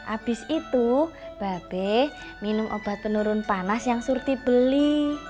abis itu babe minum obat penurun panas yang surti beli